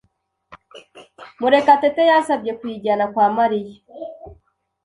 Murekatete yansabye kuyijyana kwa Mariya.